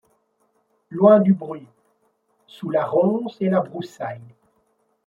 Loin du bruit, sous la ronce et la broussaille